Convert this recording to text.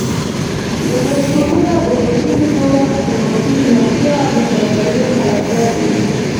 لومړيتوبونه د بېلګې په توګه خپلواکي، ژمنتيا، مهرباني، خلاقيت دي.